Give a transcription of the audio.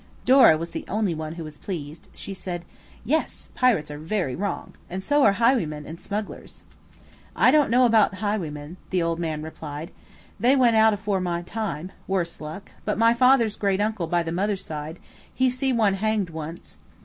Dora was the only one who was pleased; She said– "Yes, pirates are very wrong. And so are highwaymen and smugglers." "I don't know about highwaymen," the old man replied; "they went out afore my time, worse luck; but my father's great uncle by the mother's side, he see one hanged once.